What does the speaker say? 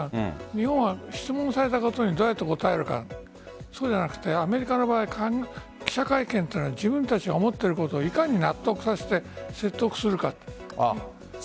日本は質問されたことにどうやって答えるかそうじゃなくてアメリカは記者会見というのは自分たちが思っていることをいかに納得させて、説得するか。